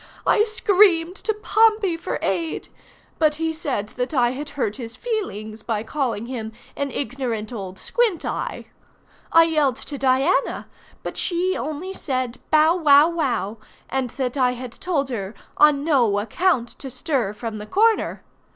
I screamed to Pompey for aid; but he said that I had hurt his feelings by calling him "an ignorant old squint eye." I yelled to Diana; but she only said "bow wow wow," and that I had told her "on no account to stir from the corner."